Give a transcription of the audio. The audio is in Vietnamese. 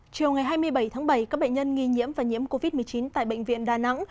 chiều ngày hai mươi bảy tháng bảy các bệnh nhân nghi nhiễm và nhiễm covid một mươi chín tại bệnh viện đà nẵng